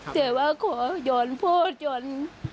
แต่ว่าขอยนพ่อจน